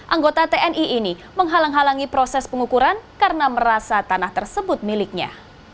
anggota tni ini menghalang halangi proses pengukuran karena merasa tanah tersebut miliknya